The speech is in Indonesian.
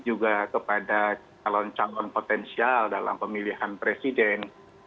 juga kepada calon calon potensial dalam pemilihan presiden